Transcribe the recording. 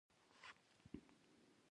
دوی خپله سکه او کلتور درلود